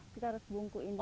kita harus bungkuin dikit